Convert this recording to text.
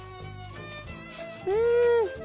うん。